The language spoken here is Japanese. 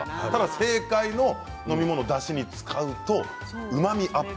正解の飲み物をだしに使うとうまみアップ。